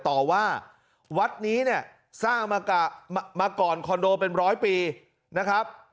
ต่อว่าวัดนี้เนี่ยสร้างมาก่อนคอนโดเป็นร้อยปีนะครับ